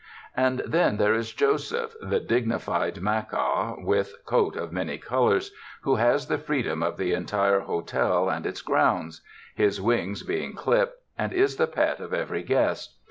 And then there is Joseph, the dignified macaw with coat of many col ors, who has the freedom of the entire hotel and its grounds, his wings being clipped, and is the pet of every guest.